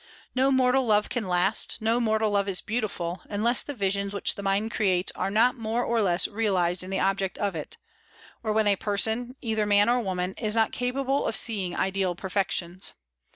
No mortal love can last, no mortal love is beautiful, unless the visions which the mind creates are not more or less realized in the object of it, or when a person, either man or woman, is not capable of seeing ideal perfections.